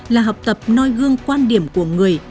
là học tập nôi gương quan điểm của người